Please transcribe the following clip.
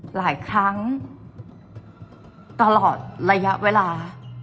หลายครั้งตลอดระยะเวลา